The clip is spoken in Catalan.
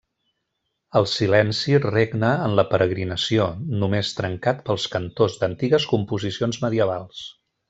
El silenci regna en la peregrinació, només trencat pels cantors d'antigues composicions medievals.